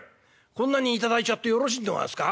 こんなに頂いちゃってよろしいんでございますか？」。